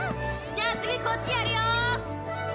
じゃあ次こっちやるよ！